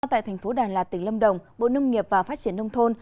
tại thành phố đà lạt tỉnh lâm đồng bộ nông nghiệp và phát triển nông thôn